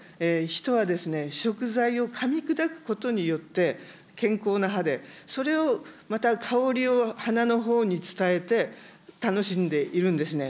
人は食材をかみ砕くことによって、健康な歯で、それをまた香りを鼻のほうに伝えて、楽しんでいるんですね。